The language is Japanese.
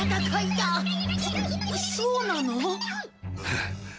そ、そうなの？